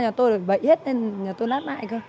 nhà tôi bị bậy hết nên nhà tôi lát lại cơ